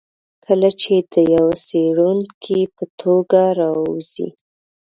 کله چې د یوه څېړونکي په توګه راووځي.